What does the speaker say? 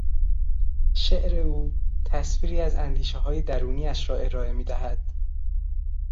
شعر او تصویری از اندیشههای درونیاش را ارائه میدهد.